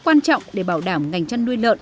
quan trọng để bảo đảm ngành chăn nuôi lợn